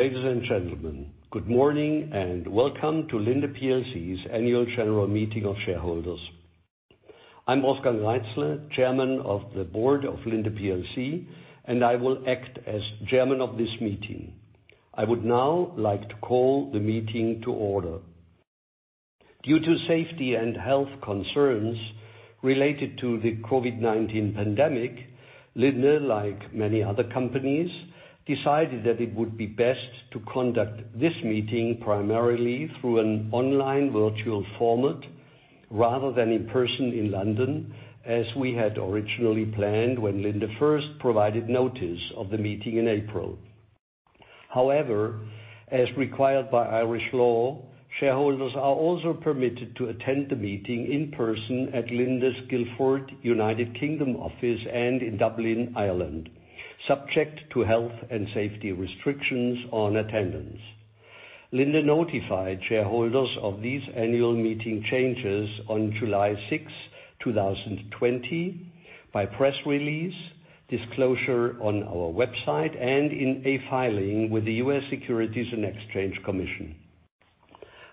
Ladies and gentlemen, good morning and welcome to Linde plc's annual general meeting of shareholders. I'm Wolfgang Reitzle, Chairman of the Board of Linde plc, and I will act as chairman of this meeting. I would now like to call the meeting to order. Due to safety and health concerns related to the COVID-19 pandemic, Linde, like many other companies, decided that it would be best to conduct this meeting primarily through an online virtual format, rather than in person in London, as we had originally planned when Linde first provided notice of the meeting in April. However, as required by Irish law, shareholders are also permitted to attend the meeting in person at Linde's Guildford, United Kingdom office and in Dublin, Ireland, subject to health and safety restrictions on attendance. Linde notified shareholders of these annual meeting changes on July 6th, 2020, by press release, disclosure on our website, and in a filing with the U.S. Securities and Exchange Commission.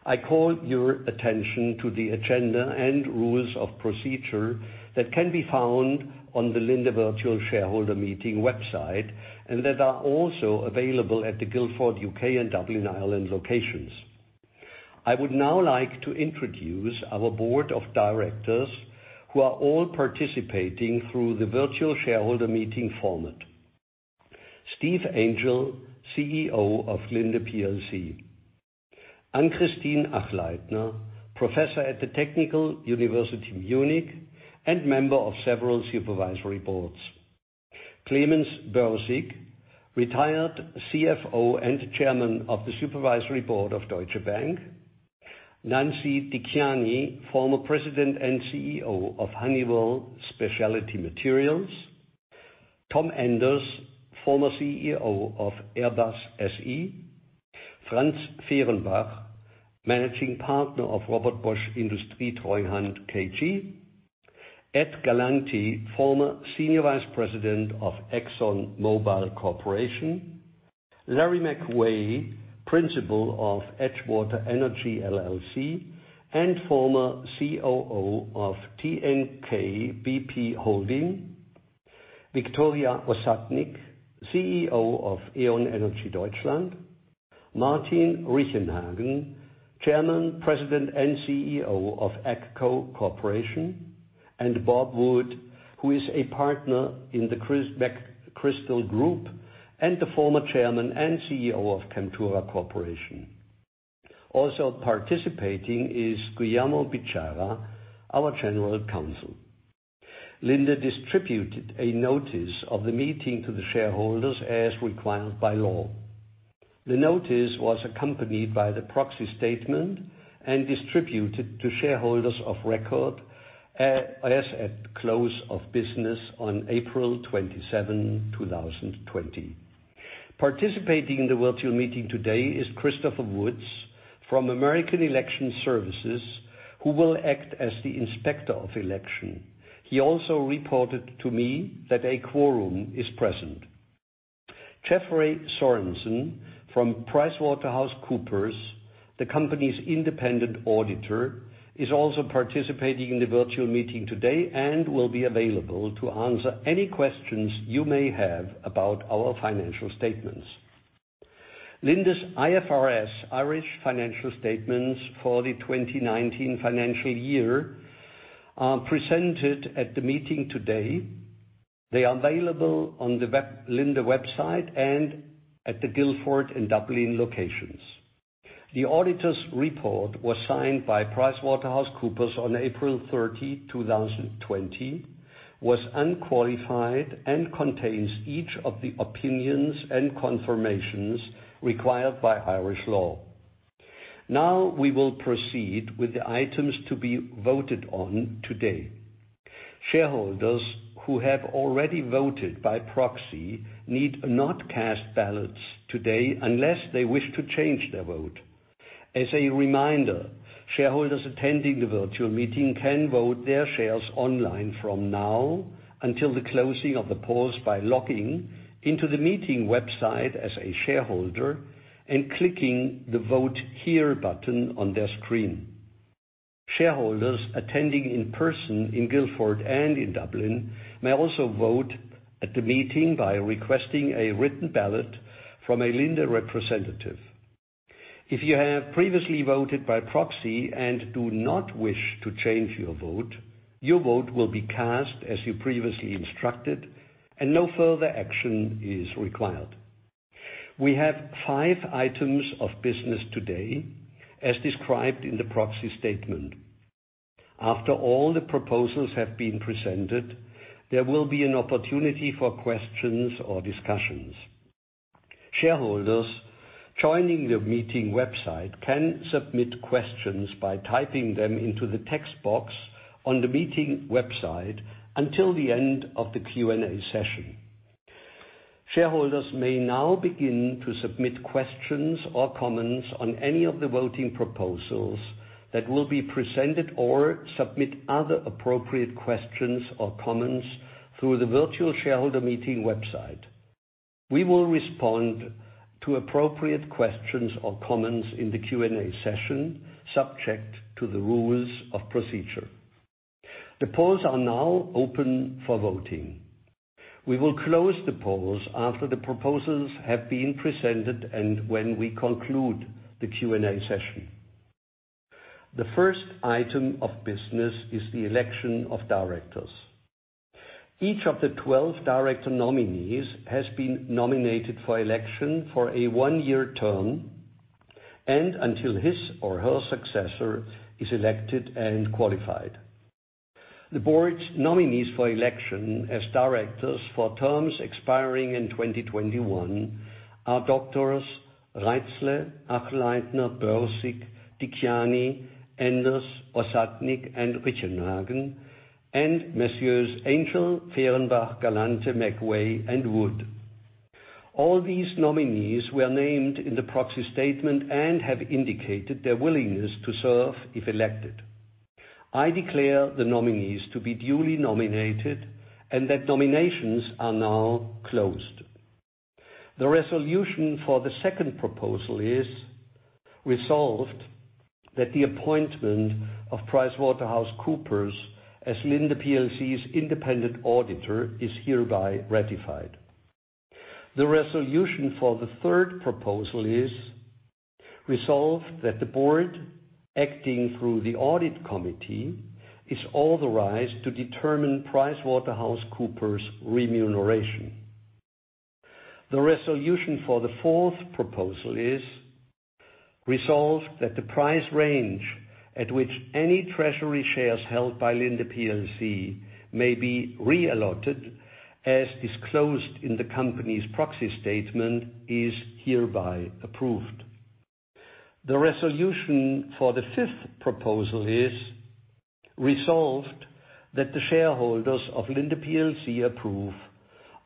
I call your attention to the agenda and rules of procedure that can be found on the Linde Virtual Shareholder Meeting website, and that are also available at the Guildford, U.K., and Dublin, Ireland, locations. I would now like to introduce our board of directors, who are all participating through the virtual shareholder meeting format. Steve Angel, CEO of Linde plc. Ann-Kristin Achleitner, professor at the Technical University of Munich and member of several supervisory boards. Clemens Börsig, retired CFO and chairman of the supervisory board of Deutsche Bank. Nance Dicciani, former president and CEO of Honeywell Specialty Materials. Tom Enders, former CEO of Airbus SE. Franz Fehrenbach, managing partner of Robert Bosch Industrietreuhand KG. Ed Galante, former senior vice president of Exxon Mobil Corporation. Larry McVay, principal of Edgewater Energy, LLC, and former COO of TNK-BP Holding. Victoria Ossadnik, CEO of E.ON Energie Deutschland. Martin Richenhagen, chairman, president, and CEO of AGCO Corporation. Bob Wood, who is a partner in The McChrystal Group and the former chairman and CEO of Chemtura Corporation. Also participating is Guillermo Bichara, our general counsel. Linde distributed a notice of the meeting to the shareholders as required by law. The notice was accompanied by the proxy statement and distributed to shareholders of record as at close of business on April 27th, 2020. Participating in the virtual meeting today is Christopher Woods from American Election Services, who will act as the inspector of election. He also reported to me that a quorum is present. Jeffrey Sorensen from PricewaterhouseCoopers, the company's independent auditor, is also participating in the virtual meeting today and will be available to answer any questions you may have about our financial statements. Linde's IFRS Irish financial statements for the 2019 financial year are presented at the meeting today. They are available on the Linde website and at the Guildford and Dublin locations. The auditor's report was signed by PricewaterhouseCoopers on April 30, 2020, was unqualified, and contains each of the opinions and confirmations required by Irish law. Now we will proceed with the items to be voted on today. Shareholders who have already voted by proxy need not cast ballots today unless they wish to change their vote. As a reminder, shareholders attending the virtual meeting can vote their shares online from now until the closing of the polls by logging into the meeting website as a shareholder and clicking the Vote Here button on their screen. Shareholders attending in person in Guildford and in Dublin may also vote at the meeting by requesting a written ballot from a Linde representative. If you have previously voted by proxy and do not wish to change your vote, your vote will be cast as you previously instructed, and no further action is required. We have five items of business today, as described in the proxy statement. After all the proposals have been presented, there will be an opportunity for questions or discussions. Shareholders joining the meeting website can submit questions by typing them into the text box on the meeting website until the end of the Q&A session. Shareholders may now begin to submit questions or comments on any of the voting proposals that will be presented or submit other appropriate questions or comments through the virtual shareholder meeting website. We will respond to appropriate questions or comments in the Q&A session, subject to the rules of procedure. The polls are now open for voting. We will close the polls after the proposals have been presented and when we conclude the Q&A session. The first item of business is the election of directors. Each of the 12 director nominees has been nominated for election for a one-year term and until his or her successor is elected and qualified. The board's nominees for election as directors for terms expiring in 2021 are Drs. Reitzle, Achleitner, Börsig, Dicciani, Enders, Ossadnik, and Richenhagen. Messrs. Angel, Fehrenbach, Galante, McVay, and Wood. All these nominees were named in the proxy statement and have indicated their willingness to serve if elected. I declare the nominees to be duly nominated and that nominations are now closed. The resolution for the second proposal is resolved that the appointment of PricewaterhouseCoopers as Linde plc's independent auditor is hereby ratified. The resolution for the third proposal is resolved that the board, acting through the audit committee, is authorized to determine PricewaterhouseCoopers remuneration. The resolution for the fourth proposal is resolved that the price range at which any treasury shares held by Linde plc may be reallocated, as disclosed in the company's proxy statement, is hereby approved. The resolution for the fifth proposal is resolved that the shareholders of Linde plc approve,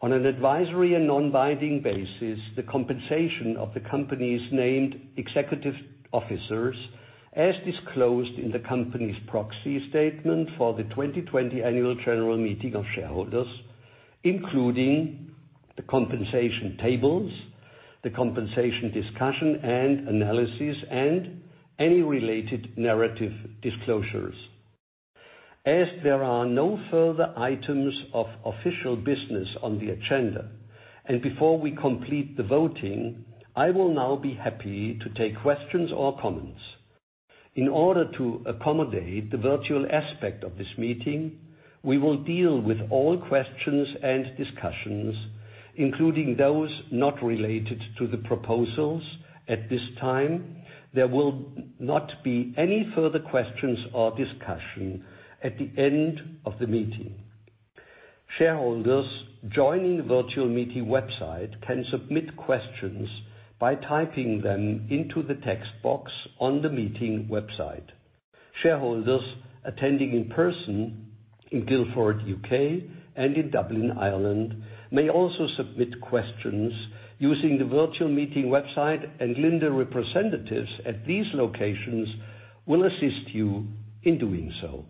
on an advisory and non-binding basis, the compensation of the company's named executive officers as disclosed in the company's proxy statement for the 2020 Annual General Meeting of Shareholders, including the compensation tables, the compensation discussion and analysis, and any related narrative disclosures. As there are no further items of official business on the agenda, and before we complete the voting, I will now be happy to take questions or comments. In order to accommodate the virtual aspect of this meeting, we will deal with all questions and discussions, including those not related to the proposals at this time. There will not be any further questions or discussion at the end of the meeting. Shareholders joining the virtual meeting website can submit questions by typing them into the text box on the meeting website. Shareholders attending in person in Guildford, U.K. and in Dublin, Ireland, may also submit questions using the virtual meeting website. Linde representatives at these locations will assist you in doing so.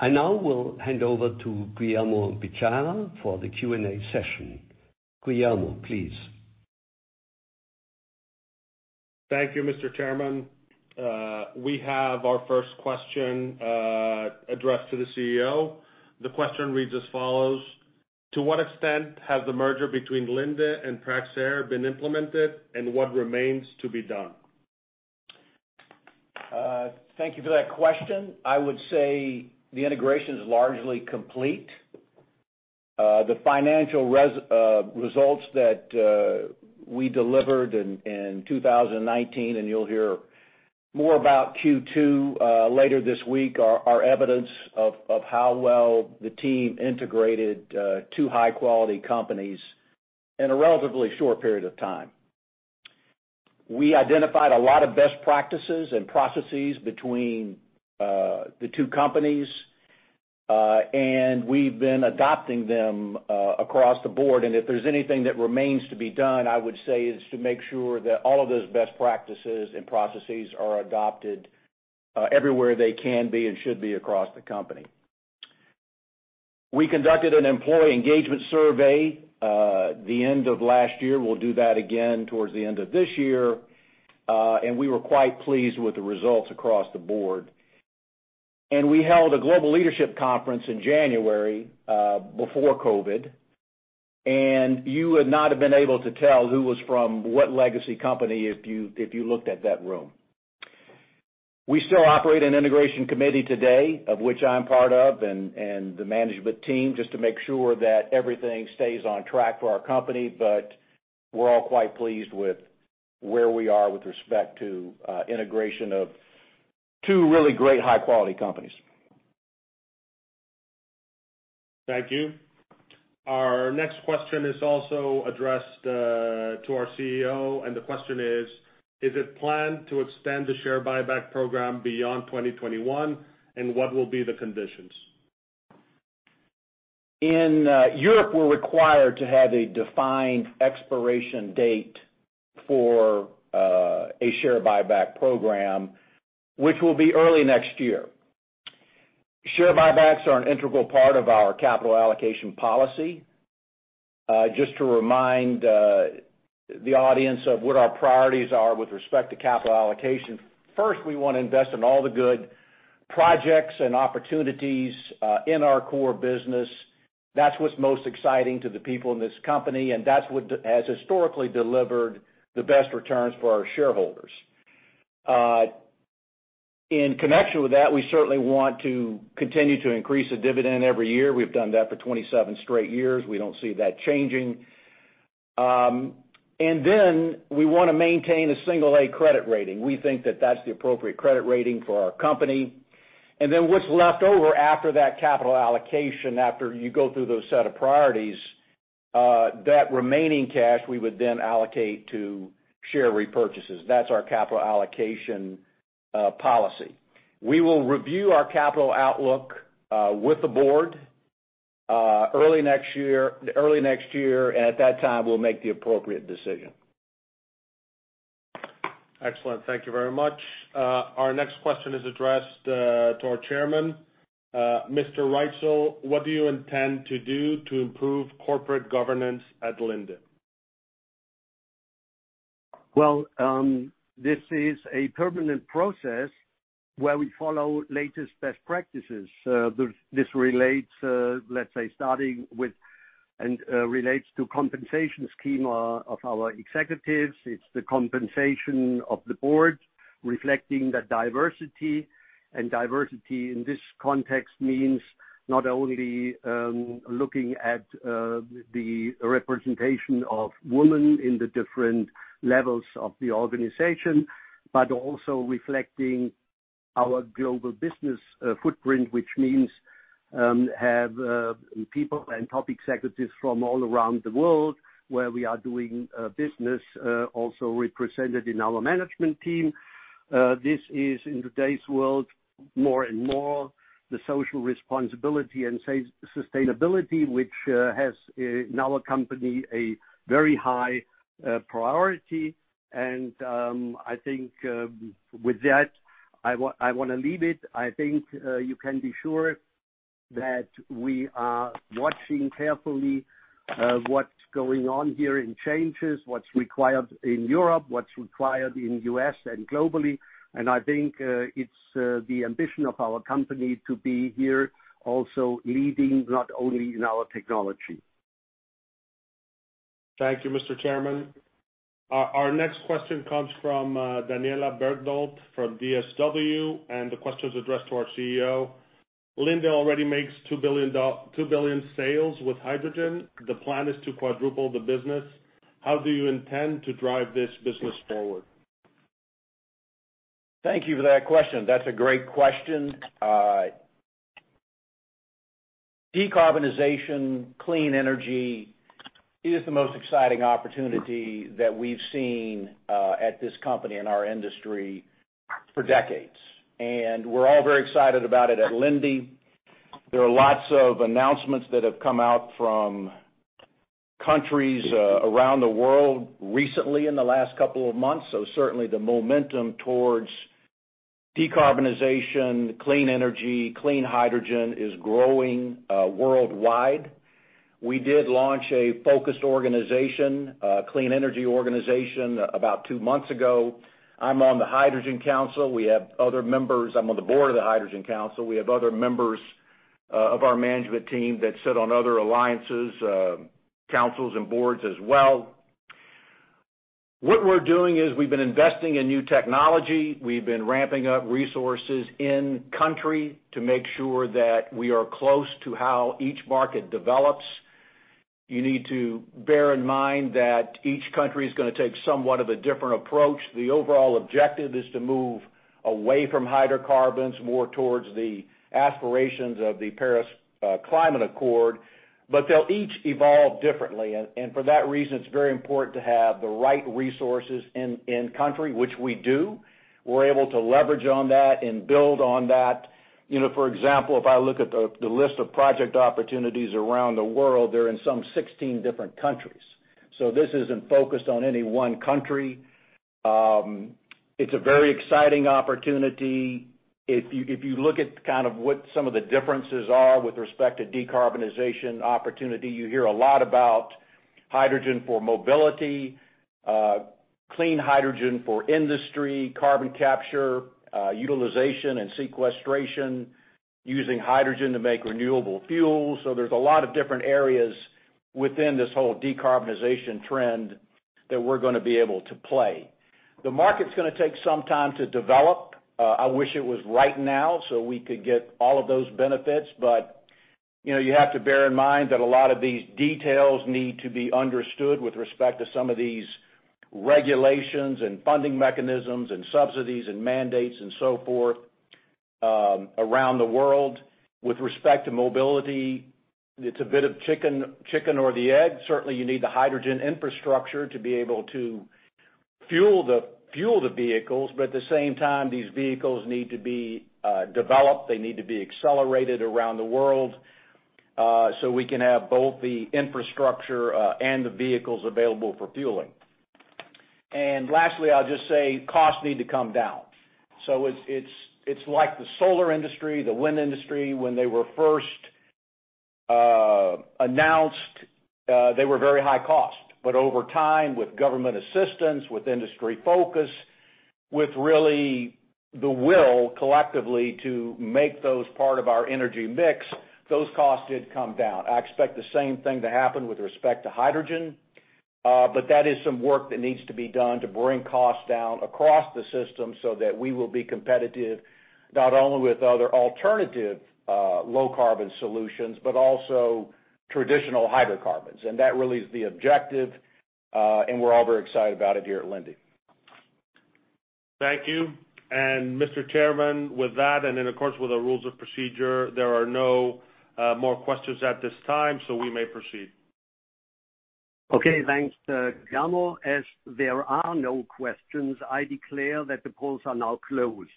I now will hand over to Guillermo Bichara for the Q&A session. Guillermo, please. Thank you, Mr. Chairman. We have our first question addressed to the CEO. The question reads as follows: To what extent has the merger between Linde and Praxair been implemented, and what remains to be done? Thank you for that question. I would say the integration is largely complete. The financial results that we delivered in 2019, and you'll hear more about Q2 later this week, are evidence of how well the team integrated two high-quality companies in a relatively short period of time. We identified a lot of best practices and processes between the two companies, and we've been adopting them across the board. If there's anything that remains to be done, I would say it's to make sure that all of those best practices and processes are adopted everywhere they can be and should be across the company. We conducted an employee engagement survey at the end of last year. We'll do that again towards the end of this year. We were quite pleased with the results across the board. We held a global leadership conference in January before COVID, and you would not have been able to tell who was from what legacy company if you looked at that room. We still operate an integration committee today, of which I'm part of, and the management team, just to make sure that everything stays on track for our company. We're all quite pleased with where we are with respect to integration of two really great high-quality companies. Thank you. Our next question is also addressed to our CEO, and the question is: Is it planned to extend the share buyback program beyond 2021, and what will be the conditions? In Europe, we're required to have a defined expiration date for a share buyback program, which will be early next year. Share buybacks are an integral part of our capital allocation policy. Just to remind the audience of what our priorities are with respect to capital allocation. First, we want to invest in all the good projects and opportunities in our core business. That's what's most exciting to the people in this company, and that's what has historically delivered the best returns for our shareholders. In connection with that, we certainly want to continue to increase the dividend every year. We've done that for 27 straight years. We don't see that changing. We want to maintain a single A credit rating. We think that that's the appropriate credit rating for our company. What's left over after that capital allocation, after you go through those set of priorities, that remaining cash, we would then allocate to share repurchases. That's our capital allocation policy. We will review our capital outlook with the board early next year. At that time, we'll make the appropriate decision. Excellent. Thank you very much. Our next question is addressed to our chairman. Mr. Reitzle, what do you intend to do to improve corporate governance at Linde? Well, this is a permanent process where we follow latest best practices. This relates, let's say, starting with and relates to compensation scheme of our executives. It's the compensation of the board, reflecting the diversity in this context means not only looking at the representation of women in the different levels of the organization, but also reflecting our global business footprint, which means have people and top executives from all around the world where we are doing business also represented in our management team. This is, in today's world, more and more the social responsibility and sustainability, which has, in our company, a very high priority. I think with that, I want to leave it. I think you can be sure that we are watching carefully what's going on here in changes, what's required in Europe, what's required in U.S. and globally. I think it's the ambition of our company to be here also leading not only in our technology. Thank you, Mr. Chairman. Our next question comes from Daniela Bergdolt from DSW, and the question is addressed to our CEO. Linde already makes $2 billion sales with hydrogen. The plan is to quadruple the business. How do you intend to drive this business forward? Thank you for that question. That's a great question. Decarbonization, clean energy is the most exciting opportunity that we've seen at this company in our industry for decades, and we're all very excited about it at Linde. There are lots of announcements that have come out from countries around the world recently in the last couple of months, so certainly the momentum towards decarbonization, clean energy, clean hydrogen is growing worldwide. We did launch a focused organization, a clean energy organization, about two months ago. I'm on the Hydrogen Council. We have other members. I'm on the board of the Hydrogen Council. We have other members of our management team that sit on other alliances, councils, and boards as well. What we're doing is we've been investing in new technology. We've been ramping up resources in country to make sure that we are close to how each market develops. You need to bear in mind that each country is going to take somewhat of a different approach. The overall objective is to move away from hydrocarbons, more towards the aspirations of the Paris Climate Accord. They'll each evolve differently. For that reason, it's very important to have the right resources in country, which we do. We're able to leverage on that and build on that. For example, if I look at the list of project opportunities around the world, they're in some 16 different countries. This isn't focused on any one country. It's a very exciting opportunity. If you look at kind of what some of the differences are with respect to decarbonization opportunity, you hear a lot about hydrogen for mobility, clean hydrogen for industry, carbon capture, utilization and sequestration, using hydrogen to make renewable fuels. There's a lot of different areas within this whole decarbonization trend that we're going to be able to play. The market's going to take some time to develop. I wish it was right now so we could get all of those benefits, but you have to bear in mind that a lot of these details need to be understood with respect to some of these regulations and funding mechanisms and subsidies and mandates and so forth around the world. With respect to mobility, it's a bit of chicken or the egg. Certainly, you need the hydrogen infrastructure to be able to fuel the vehicles, but at the same time, these vehicles need to be developed. They need to be accelerated around the world, so we can have both the infrastructure and the vehicles available for fueling. Lastly, I'll just say costs need to come down. It's like the solar industry, the wind industry, when they were first announced, they were very high cost. Over time, with government assistance, with industry focus, with really the will collectively to make those part of our energy mix, those costs did come down. I expect the same thing to happen with respect to hydrogen. That is some work that needs to be done to bring costs down across the system so that we will be competitive, not only with other alternative low-carbon solutions, but also traditional hydrocarbons. That really is the objective, and we're all very excited about it here at Linde. Thank you. Mr. Chairman, with that, in accordance with our rules of procedure, there are no more questions at this time, we may proceed. Okay, thanks, Guillermo. There are no questions, I declare that the polls are now closed.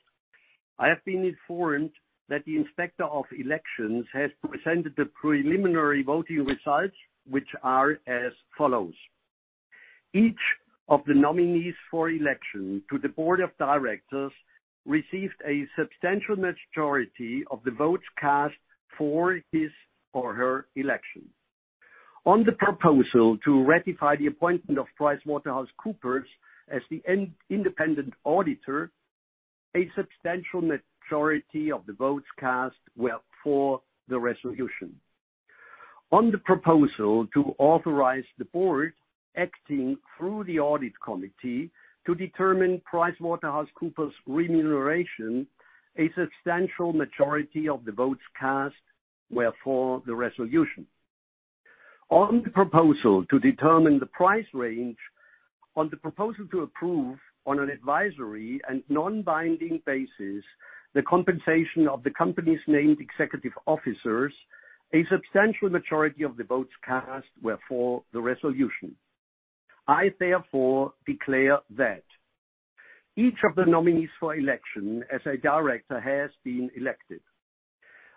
I have been informed that the Inspector of Elections has presented the preliminary voting results, which are as follows. Each of the nominees for election to the Board of Directors received a substantial majority of the votes cast for his or her election. On the proposal to ratify the appointment of PricewaterhouseCoopers as the independent auditor, a substantial majority of the votes cast were for the resolution. On the proposal to authorize the Board acting through the Audit Committee to determine PricewaterhouseCoopers' remuneration, a substantial majority of the votes cast were for the resolution. On the proposal to determine the price range, on the proposal to approve on an advisory and non-binding basis the compensation of the company's Named Executive Officers, a substantial majority of the votes cast were for the resolution. I therefore declare that each of the nominees for election as a director has been elected.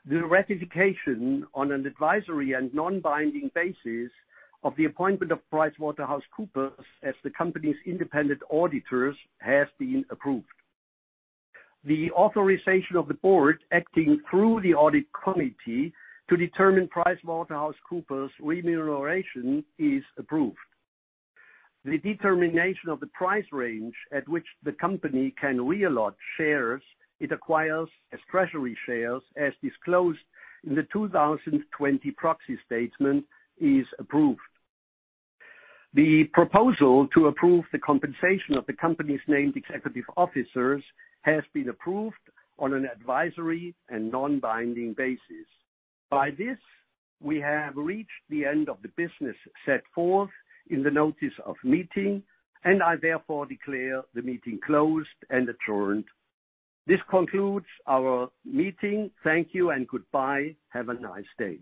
The ratification on an advisory and non-binding basis of the appointment of PricewaterhouseCoopers as the company's independent auditors has been approved. The authorization of the board acting through the audit committee to determine PricewaterhouseCoopers' remuneration is approved. The determination of the price range at which the company can reallot shares it acquires as treasury shares, as disclosed in the 2020 proxy statement, is approved. The proposal to approve the compensation of the company's named executive officers has been approved on an advisory and non-binding basis. By this, we have reached the end of the business set forth in the notice of meeting, and I therefore declare the meeting closed and adjourned. This concludes our meeting. Thank you and goodbye. Have a nice day.